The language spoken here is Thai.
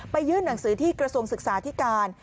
ยื่นหนังสือที่กระทรวงศึกษาธิการ